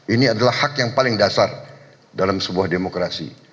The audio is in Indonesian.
ini adalah hak yang paling dasar dalam sebuah demokrasi